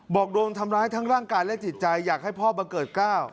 โดนทำร้ายทั้งร่างกายและจิตใจอยากให้พ่อบังเกิดก้าว